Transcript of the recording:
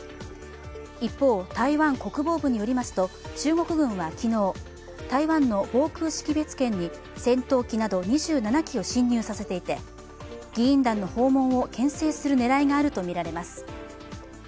一方、台湾国防部によりますと中国軍は昨日、台湾の防空識別圏に戦闘機など２７機を侵入させていて、議員団の訪問をけん制するねらいがあるとみられます。